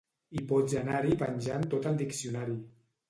I pots anar-hi penjant tot el diccionari.